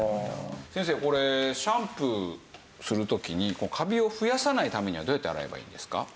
先生これシャンプーする時にカビを増やさないためにはどうやって洗えばいいんですか？